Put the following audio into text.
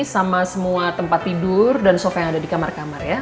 sama semua tempat tidur dan sofa yang ada di kamar kamar ya